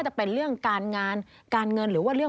คือมากทุกวันยุคเลย